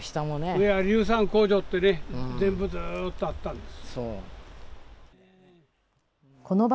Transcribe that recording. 上は硫酸工場ってね、全部ずっとあったんです。